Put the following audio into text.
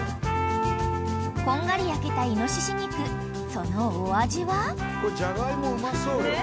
［こんがり焼けたイノシシ肉そのお味は？］